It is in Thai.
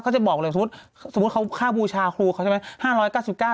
เขาจะบอกเลยสมมุติข้าวบูชาครูเขาใช่ไหม